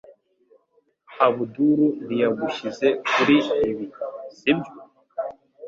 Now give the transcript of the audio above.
Abuduru ntiyagushyize kuri ibi, sibyo?